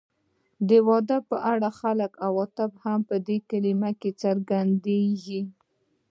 د واده په اړه د خلکو عواطف هم په دې کلمه کې راڅرګندېږي